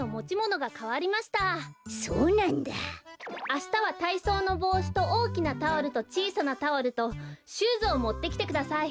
あしたはたいそうのぼうしとおおきなタオルとちいさなタオルとシューズをもってきてください。